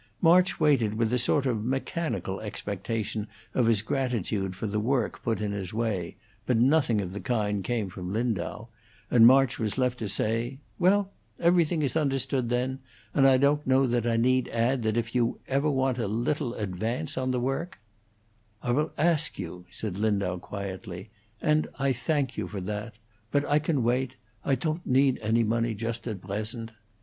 March waited with a sort of mechanical expectation of his gratitude for the work put in his way, but nothing of the kind came from Lindau, and March was left to say, "Well, everything is understood, then; and I don't know that I need add that if you ever want any little advance on the work " "I will ask you," said Lindau, quietly, "and I thank you for that. But I can wait; I ton't needt any money just at bresent."